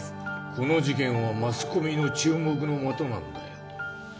この事件はマスコミの注目の的なんだよ。